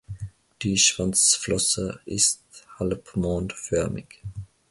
Die Schwanzflosse ist halbmondförmig.